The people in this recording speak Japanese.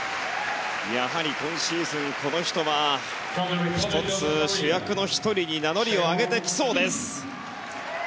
やはり今シーズン、この人は１つ、主役の１人に名乗りを上げてきそうです。